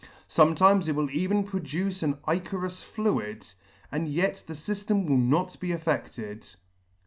Sometimes it will even pro duce an ichorous fluid, and yet the fyftem will not be affected*.